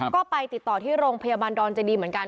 ก็ไปติดต่อที่โรงพยาบาลดอนเจดีเหมือนกัน